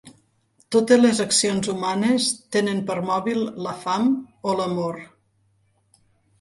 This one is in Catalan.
Totes les accions humanes tenen per mòbil la fam o l'amor.